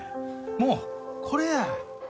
もうこれや。